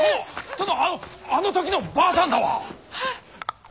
殿あの時のばあさんだわ。